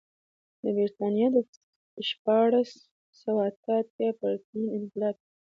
د برېټانیا د شپاړس سوه اته اتیا پرتمین انقلاب کې.